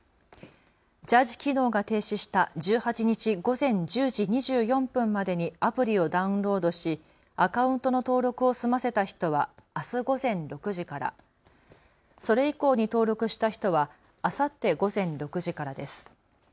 チャージ機能が停止した１８日午前１０時２４分までにアプリをダウンロードしアカウントの登録を済ませた人はあす午前６時から、それ以降に登録した人はあさって午前６時からです。